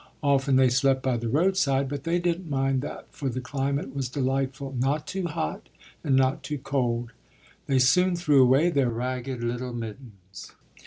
Often they slept by the roadside; but they didn't mind that for the climate was delightful not too hot, and not too cold. They soon threw away their ragged little mittens.